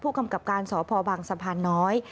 กำกับการสพบังสะพานน้อย